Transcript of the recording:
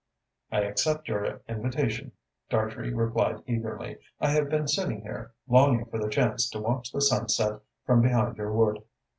"I accept your invitation," Dartrey replied eagerly. "I have been sitting here, longing for the chance to watch the sunset from behind your wood."